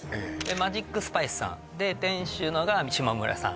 マジックスパイスさん店主の下村さん